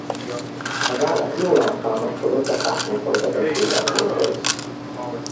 Az állat jól alkalmazkodott a fákon folytatott életmódhoz.